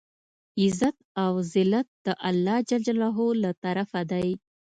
عزت او زلت د الله ج له طرفه دی.